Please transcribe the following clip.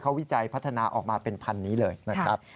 เขาวิจัยพัฒนาออกมาเป็นพันนี้เลยนะครับ